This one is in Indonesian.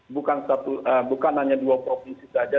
bukan hanya dua provinsi saja